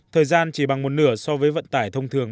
thời gian chỉ bằng một nửa so với vận tải thông thường